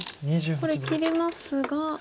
これ切れますが。